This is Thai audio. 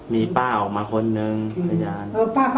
มีป้าออกมาคนนึงมีพยาน